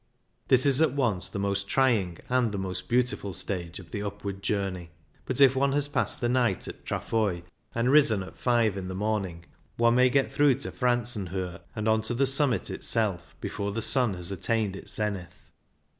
This is at once the most trying and the most beautiful stage of the upward journey; but if one has passed the night at Trafoi, and risen at five in the morning, one may get through to Franzenhohe and on to the summit itself before the sun has attained its zenith.